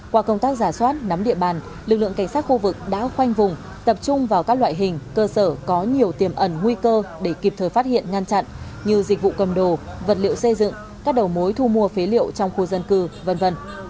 qua công tác giả soát nắm địa bàn lực lượng cảnh sát khu vực đã khoanh vùng tập trung vào các loại hình cơ sở có nhiều tiềm ẩn nguy cơ để kịp thời phát hiện ngăn chặn như dịch vụ cầm đồ vật liệu xây dựng các đầu mối thu mua phế liệu trong khu dân cư v v